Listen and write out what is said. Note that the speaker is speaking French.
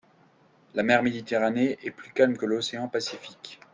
La mer Méditerranée est plus calme que l'océan Pacifique.